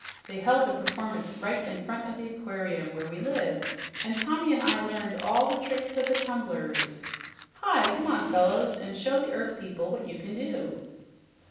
They held the performance right in front of the aquarium where we lived, and Tommy and I learned all the tricks of the tumblers. Hi! Come on, fellows, and show the earth people what you can do!"